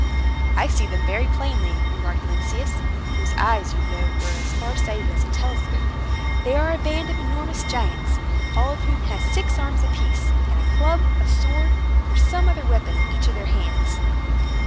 "I see them very plainly," remarked Lynceus, whose eyes, you know, were as far sighted as a telescope. "They are a band of enormous giants, all of whom have six arms apiece, and a club, a sword, or some other weapon in each of their hands."